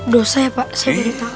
dosa ya pak saya udah tau